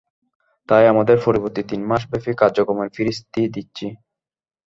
তাই, আমাদের পরবর্তী তিন মাস ব্যাপি কার্যক্রমের ফিরিস্তি দিচ্ছি।